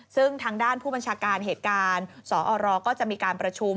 ซึ่งทางด้านผู้บัญชาการเหตุการณ์สอรก็จะมีการประชุม